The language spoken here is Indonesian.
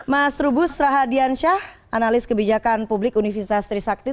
mas rubus rahadian syah analis kebijakan publik universitas trisakti